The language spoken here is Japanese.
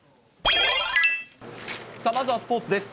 まずはスポーツです。